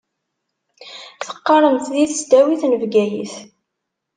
Teqqaṛemt di tesdawit n Bgayet.